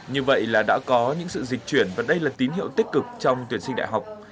như vậy là đã có những sự dịch chuyển và đây là tín hiệu tích cực trong tuyển sinh đại học